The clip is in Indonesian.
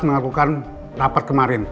mengakukan rapat kemarin